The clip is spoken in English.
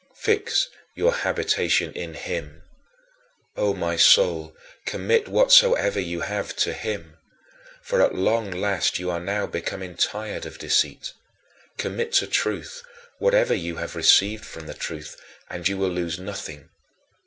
Fix your habitation in him. O my soul, commit whatsoever you have to him. For at long last you are now becoming tired of deceit. Commit to truth whatever you have received from the truth, and you will lose nothing.